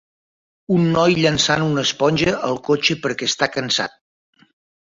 un noi llançant una esponja al cotxe perquè està cansat